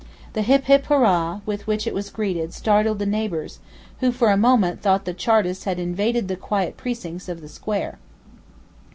The 'Hip, hip, hurrah!' with which it was greeted startled the neighbours, who for a moment thought the Chartists had invaded the quiet precincts of the square.